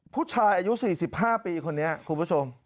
ผู้ชายอายุ๔๕ปีคนนี้คุณผู้ชม